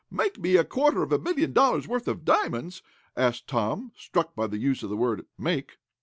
"Make me a quarter of a million dollars worth of diamonds?" asked Tom, struck by the use of the work "make."